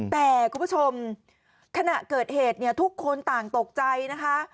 แต่คุณผู้ชมขณะเกิดเหตุเนี่ยทุกคนต่างตกใจนะคะ